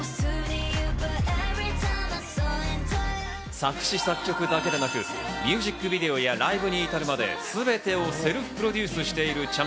作詞作曲だけでなく、ミュージックビデオやライブに至るまで、すべてをセルフプロデュースしているちゃん